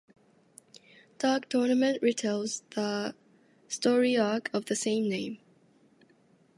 "Dark Tournament" retells the story arc of the same name.